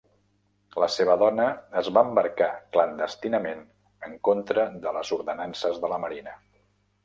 La seva dona es va embarcar clandestinament en contra de les ordenances de la marina.